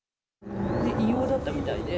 異様だったみたいで。